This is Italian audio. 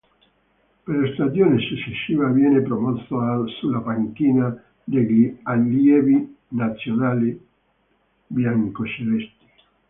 Per la stagione successiva viene promosso sulla panchina degli Allievi Nazionali biancocelesti.